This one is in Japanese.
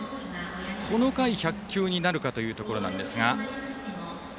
この回、１００球になるかというところなんですが。